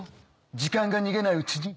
時間が逃げないうちに。